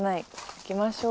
行きましょう。